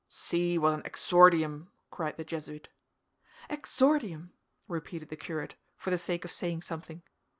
"See what an exordium!" cried the Jesuit. "Exordium," repeated the curate, for the sake of saying something.